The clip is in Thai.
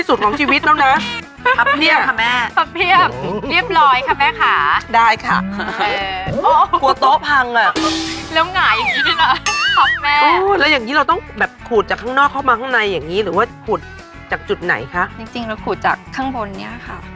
ขูดจากจุดไหนคะจริงแล้วขูดจากข้างบนนี้ค่ะด้านขูดตรงนี้